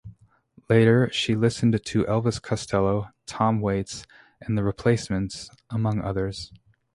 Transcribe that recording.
Later, she listened to Elvis Costello, Tom Waits, and The Replacements, among others.